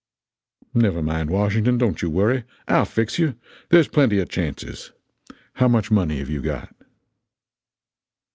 "Never mind, Washington, don't you worry. I'll fix you. There's plenty of chances. How much money have you got?"